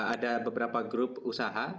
ada beberapa grup usaha